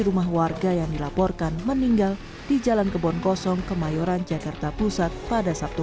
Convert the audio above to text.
rumah warga yang dilaporkan meninggal di jalan kebon kosong kemayoran jakarta pusat pada sabtu